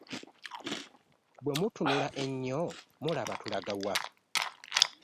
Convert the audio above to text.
Bwe mutunula ennyo mulaba tulaga wa?